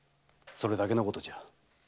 それだけのことじゃ。